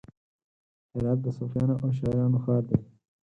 هرات د صوفیانو او شاعرانو ښار دی.